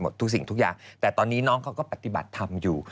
ทุกสิ่งทุกอย่างแต่ตอนนี้น้องเขาก็ปฏิบัติธรรมอยู่